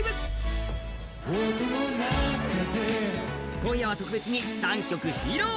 今夜は特別に３曲披露。